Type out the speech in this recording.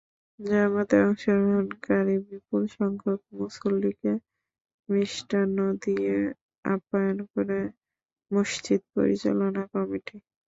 জামাতে অংশগ্রহণকারী বিপুলসংখ্যক মুসল্লিকে মিষ্টান্ন দিয়ে আপ্যায়ন করে মসজিদ পরিচালনা কমিটি।